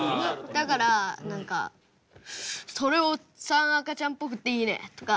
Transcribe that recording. だから何か「それおっさん赤ちゃんっぽくていいね」とか。